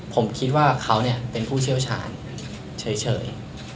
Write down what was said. ผมคิดว่าเขาเป็นผู้เชี่ยวชาญเฉย